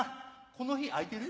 この日空いてる？